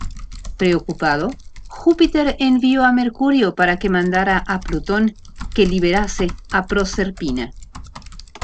Preocupado, Júpiter envió a Mercurio para que mandara a Plutón que liberase a Proserpina.